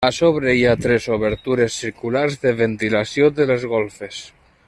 A sobre hi ha tres obertures circulars de ventilació de les golfes.